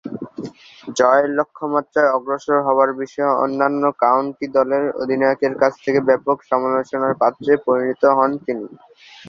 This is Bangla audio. জয়ের লক্ষ্যমাত্রায় অগ্রসর হবার বিষয়ে অন্যান্য কাউন্টি দলের অধিনায়কের কাছ থেকে ব্যাপক সমালোচনার পাত্রে পরিণত হন তিনি।